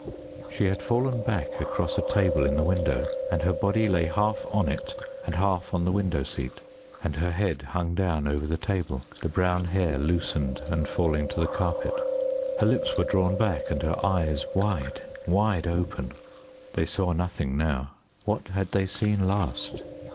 She had fallen back across a table in the window, and her body lay half on it and half on the window seat, and her head hung down over the table, the brown hair loosened and fallen to the carpet. Her lips were drawn back, and her eyes wide, wide open. They saw nothing now. What had they seen last?